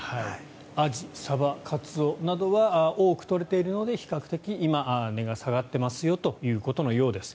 アジ、サバ、カツオなどは多く取れているので比較的、今、値が下がっているということです。